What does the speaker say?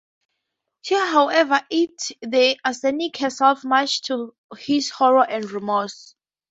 She however eats the arsenic herself, much to his horror and remorse.